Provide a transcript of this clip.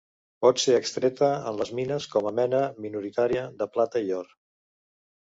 Pot ser extreta en les mines com a mena minoritària de plata i or.